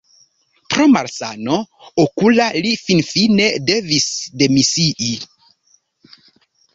Pro malsano okula li finfine devis demisii.